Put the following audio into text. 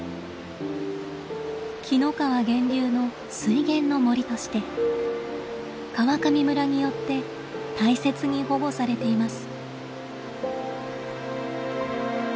紀の川源流の「水源の森」として川上村によって大切に保護されています。